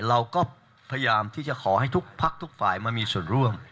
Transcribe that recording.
เราก็พยายามที่จะขอให้ทุกพักทุกฝ่ายมามีส่วนร่วม